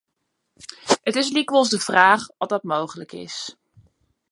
It is lykwols de fraach oft dat mooglik is.